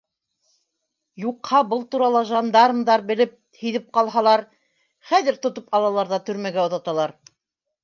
Юҡһа был турала жандармдар, белеп, һиҙеп ҡалһалар, хәҙер тотоп алалар ҙа төрмәгә оҙаталар.